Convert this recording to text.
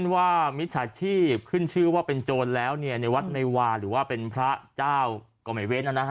ว่ามิจฉาชีพขึ้นชื่อว่าเป็นโจรแล้วในวัดเมวาหรือว่าเป็นพระเจ้าก็ไม่เว้น